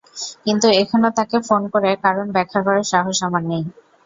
কিন্তু এখনো তাঁকে ফোন করে কারণ ব্যাখ্যা করার সাহস আমার নেই।